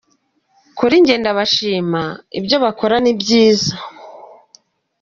Kuri njye ndabashima, ibyo bakora ni byiza.